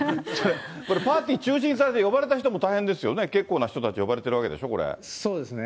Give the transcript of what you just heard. パーティー中止にされて、これ、呼ばれた人も大変ですよね、結構な人たち呼ばれてるわけでしそうですね。